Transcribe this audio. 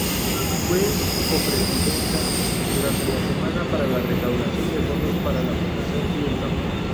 Fue copresidenta durante la semana para la recaudación de fondos para la Fundación Clinton.